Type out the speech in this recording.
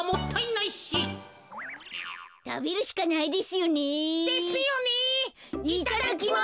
いただきます。